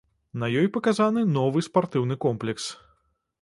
На ёй паказаны новы спартыўны комплекс.